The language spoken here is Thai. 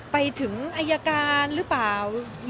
ไปถึงอายการหรือเปล่า